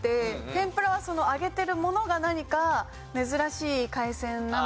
天ぷらは揚げてるものが何か珍しい海鮮なのかなと思って。